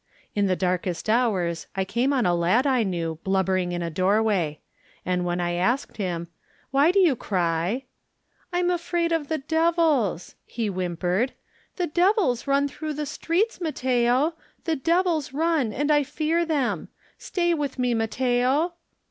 In the darkest hours I came on a lad I knew blubbering in a doorway. And when I asked him, "Why do you cry?" "I'm afraid of the devils," he whimpered. "The devils run through the streets, Mat teo. The devils run and I fear them. Stay with me, Matteo."